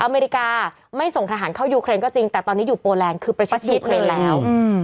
อเมริกาไม่ส่งทหารเข้ายูเครนก็จริงแต่ตอนนี้อยู่โปแลนด์คือประชุมยูเครนแล้ว